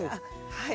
はい。